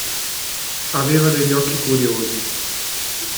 Aveva degli occhi curiosi.